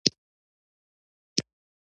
کوچیان د افغان ښځو په ژوند کې رول لري.